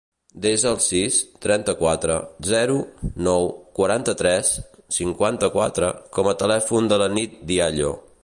Desa el sis, trenta-quatre, zero, nou, quaranta-tres, cinquanta-quatre com a telèfon de la Nit Diallo.